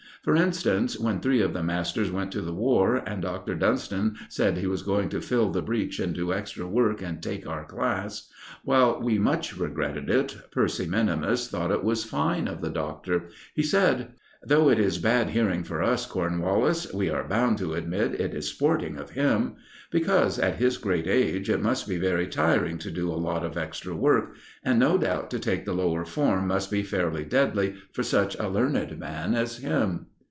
For instance, when three of the masters went to the war, and Dr. Dunston said he was going to fill the breach and do extra work and take our class; while we much regretted it, Percy minimus thought it was fine of the Doctor. He said: "Though it is bad hearing for us, Cornwallis, we are bound to admit it is sporting of him. Because, at his great age, it must be very tiring to do a lot of extra work; and no doubt to take the Lower Third must be fairly deadly for such a learned man as him."